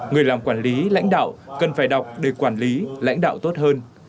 người làm quản lý lãnh đạo cần phải đọc để quản lý lãnh đạo tốt hơn